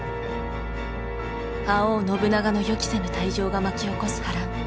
覇王信長の予期せぬ退場が巻き起こす波乱。